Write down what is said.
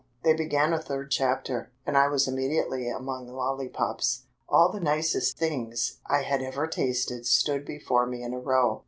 They began a third chapter, and I was immediately among lolly pops. All the nicest things I had ever tasted stood before me in a row.